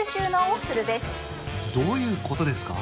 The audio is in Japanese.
どういうことですか？